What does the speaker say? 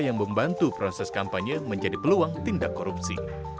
yang membantu proses kampanye menjadi peluang tindak korupsi